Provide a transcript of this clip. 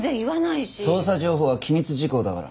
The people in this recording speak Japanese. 捜査情報は機密事項だから。